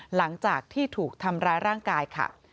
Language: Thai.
หลังจากที่ถูกทำร้ายร่างกายค่ะ